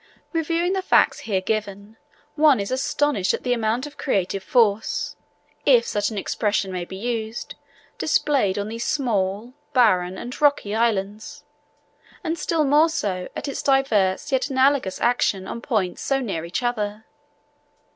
Reviewing the facts here given, one is astonished at the amount of creative force, if such an expression may be used, displayed on these small, barren, and rocky islands; and still more so, at its diverse yet analogous action on points so near each other.